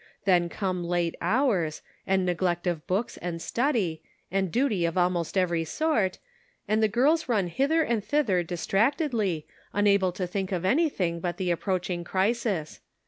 Then come late hours, and neglect of books and study, and duty of almost every sort, and the girls run hither and thither distractedly, unable to think of anything but the approaching crisis.